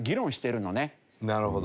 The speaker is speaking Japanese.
なるほど！